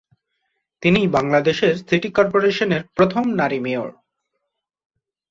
তিনি বাংলাদেশের সিটি কর্পোরেশনের প্রথম নারী মেয়র।